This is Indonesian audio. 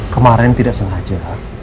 kemaren tidak sengaja